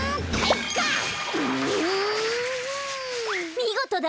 みごとだわ！